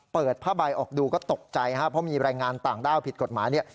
เปิดผ้าใบออกดูก็ตกใจครับเพราะมีแรงงานต่างด้าวผิดกฎหมายเนี่ย